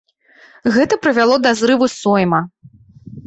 Гэта прывяло да зрыву сойма.